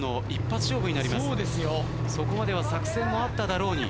そこまでは作戦もあっただろうに。